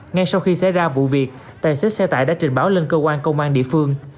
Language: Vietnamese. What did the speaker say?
ngay sau khi xảy ra vụ việc tài xế xe tải đã trình báo lên cơ quan công an địa phương